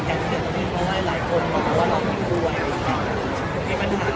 ช่องความหล่อของพี่ต้องการอันนี้นะครับ